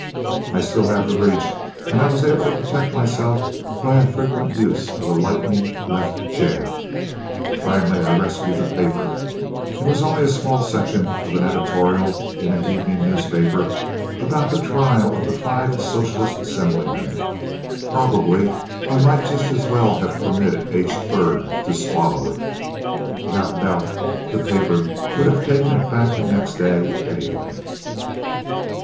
I still have the reach, and I was able to protect myself by a frequent use of a lightning left jab. Finally I rescued the paper. It was only a small section of an editorial in an evening newspaper about the trial of the five Socialist Assemblymen. Probably I might just as well have permitted H. 3rd to swallow it. Without doubt, the paper would have taken it back the next day, anyway.